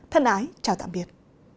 thân ái chào tạm biệt